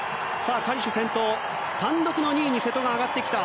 カリシュ、先頭単独の２位に瀬戸が上がってきた。